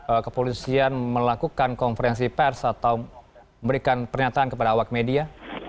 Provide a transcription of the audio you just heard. apakah kepolisian melakukan konferensi pers atau memberikan pernyataan kepada awak media